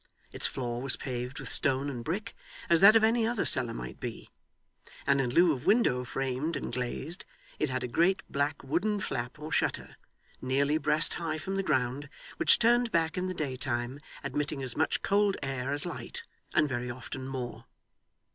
Its floor was paved with stone and brick, as that of any other cellar might be; and in lieu of window framed and glazed it had a great black wooden flap or shutter, nearly breast high from the ground, which turned back in the day time, admitting as much cold air as light, and very often more.